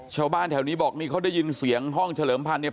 ชาวบ้านแถวนี้บอกนี่เขาได้ยินเสียงห้องเฉลิมพันธุเนี่ย